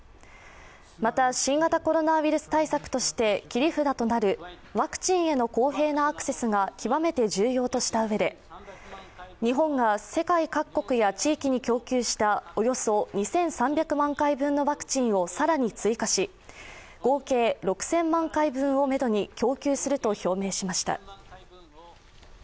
また、新型コロナウイルス対策として切り札となるワクチンへの公平なアクセスが極めて重要とした上で日本が世界各国や地域に供給した、およそ２３００万回分のワクチンを更に追加し合計６０００万回分をめどに供給すると表明しました。